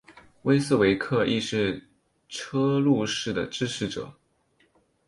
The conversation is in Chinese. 威斯维克亦是车路士的支持者。